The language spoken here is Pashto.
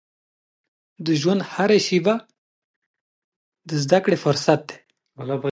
د ژوند هره پیښه زده کړې فرصت دی.